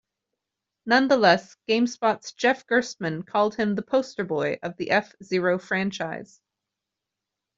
Nonetheless, GameSpot's Jeff Gerstmann called him the "poster boy" of the "F-Zero" franchise.